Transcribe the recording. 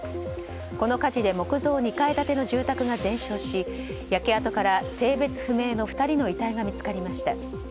この火事で木造２階建ての住宅が全焼し焼け跡から性別不明の２人の遺体が見つかりました。